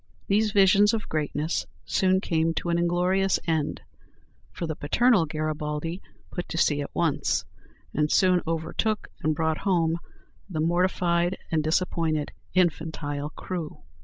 These visions of greatness soon came to an inglorious end; for the paternal Garibaldi put to sea at once, and soon overtook and brought home the mortified and disappointed infantile crew.